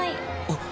あっ。